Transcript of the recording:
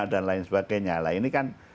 dan lain sebagainya nah ini kan